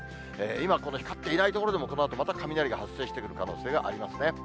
今、この光っていない所でも、このあとまた雷が発生してくる可能性がありますね。